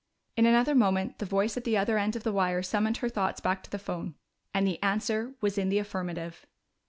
In another moment the voice at the other end of the wire summoned her thoughts back to the phone. And the answer was in the affirmative!